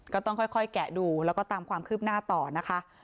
ก็ต้องค่อยแกะดูแล้วก็ตามความคืบหน้าต่อนะคะ